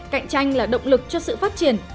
cạnh tranh là động lực cho sự phát triển